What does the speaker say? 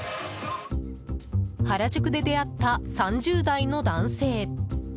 原宿で出会った３０代の男性。